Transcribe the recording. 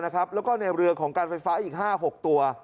แล้วก็ในเรือของการไฟฟ้าอีก๕๖ตัว